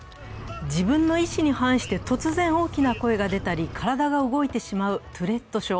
自分の意思に反して突然大きな声が出たり体が動いてしまうトゥレット症。